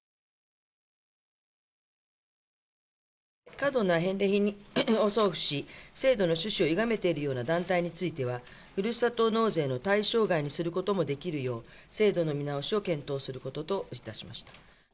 過度な返礼品を送付し、制度の趣旨をゆがめているような団体については、ふるさと納税の対象外にすることもできるよう、制度の見直しを検討することといたしました。